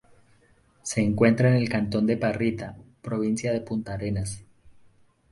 Se encuentra en el cantón de Parrita, provincia de Puntarenas.